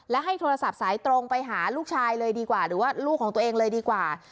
และให้โทรศัพท์สายตรงไปหาลูกชายเลยดีกว่าหรือว่าลูกของตัวเองเลยดีกว่า